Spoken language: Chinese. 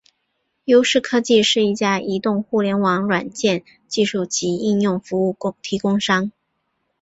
优视科技是一家移动互联网软件技术及应用服务提供商。